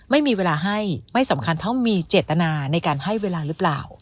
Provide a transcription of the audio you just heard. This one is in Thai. ไม่มีเวลาให้ไม่สำคัญเท่ามีเจตนาในการให้เวลาหรือเปล่า